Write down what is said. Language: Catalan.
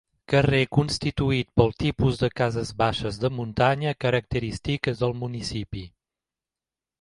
Carrer constituït pel tipus de cases baixes de muntanya, característiques del municipi.